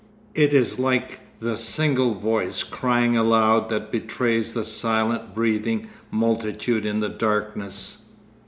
It is like the single voice crying aloud that betrays the silent breathing multitude in the darkness.